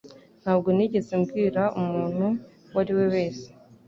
Ntabwo nigeze mbwira umuntu uwo ari we wese.